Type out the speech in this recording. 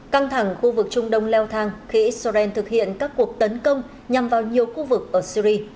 căng thẳng khu vực trung đông leo thang khi israel thực hiện các cuộc tấn công nhằm vào nhiều khu vực ở syri